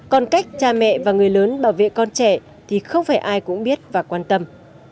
còn cách cha mẹ và người lớn bảo vệ con trẻ thì không phải ai cũng biết và quan tâm